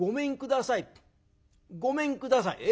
「ごめんください。